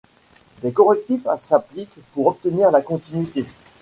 Des correctifs s'appliquent pour obtenir la continuité.